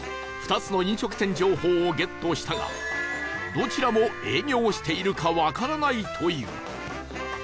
２つの飲食店情報をゲットしたがどちらも営業しているかわからないという